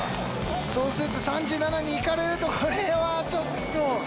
そうすると３７にいかれるとこれはちょっと。